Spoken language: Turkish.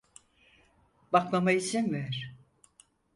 Bakmama izin ver.